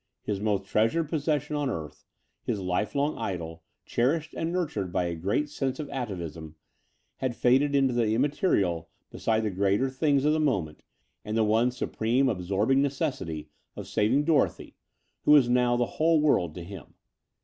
His most treasured possession on earth, his lifelong idol, cherished and nurtured by a great sense of atavism, had faded into the immaterial beside the greater things of the moment and the one supreme absorb ing necessity of saving Dorothy, who was now the whole world to him.